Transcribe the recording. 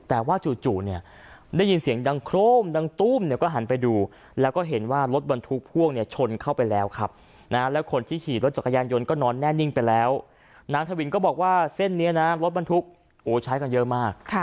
แต่ว่าจู่เนี่ยได้ยินเสียงดังโครมดังตุ้มเนี่ยก็หันไปดูแล้วก็เห็นว่ารถบรรทุกพ่วงเนี่ยชนเข้าไปแล้วครับนะแล้วคนที่ขี่รถจักรยานยนต์ก็นอนแน่นิ่งไปแล้วนางทวินก็บอกว่าเส้นนี้นะรถบรรทุกโอ้ใช้กันเยอะมาก